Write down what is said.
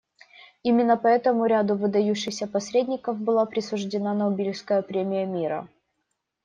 Именно поэтому ряду выдающихся посредников была присуждена Нобелевская премия мира.